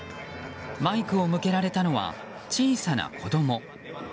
マイクを向けられたのは小さな子供。